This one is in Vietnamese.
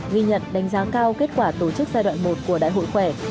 ghi nhận đánh giá cao kết quả tổ chức giai đoạn một của đại hội khỏe